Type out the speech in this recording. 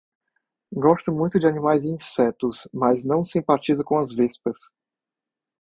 Gosto muito de animais e insetos, mas não simpatizo com as vespas.